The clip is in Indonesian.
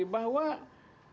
bahwa kita jangan